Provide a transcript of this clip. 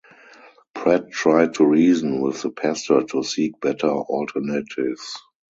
Pratt tried to reason with the pastor to seek better alternatives.